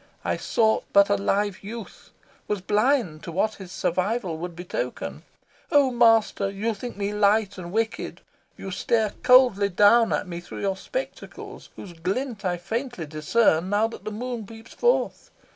I sought but a live youth, was blind to what his survival would betoken. Oh master, you think me light and wicked. You stare coldly down at me through your spectacles, whose glint I faintly discern now that the moon peeps forth.